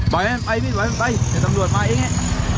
ไปไปไปไปไปจะตำรวจมาเองไง